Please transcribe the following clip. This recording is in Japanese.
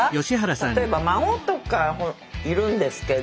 例えば孫とかいるんですけど。